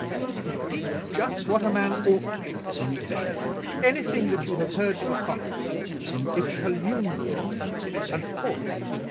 He did just what a man ought to do, and anything that you have heard to the contrary is calumnious and false.